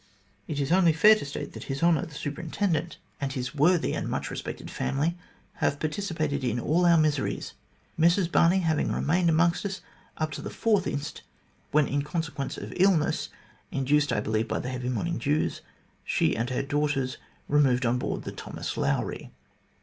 It is only fair to state that His Honour the Superintendent and his 64 THE GLADSTONE COLONY worthy and much respected family, have participated in all our miseries, Mrs Barney having remained amongst us up to the 4th inst, when in consequence of illness, induced, I believe, by the heavy morning dews, she, with her daughters, removed on board the Thomas Lowry."